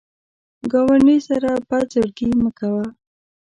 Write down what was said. ګاونډي سره بد زړګي مه کوه